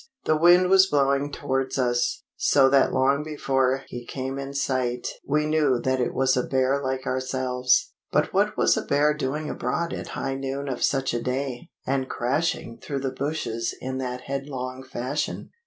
The wind was blowing towards us, so that long before he came in sight we knew that it was a bear like ourselves. But what was a bear doing abroad at high noon of such a day, and crashing through the bushes in that headlong fashion?